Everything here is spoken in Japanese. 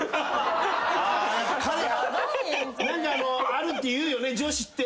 あるっていうよね女子って。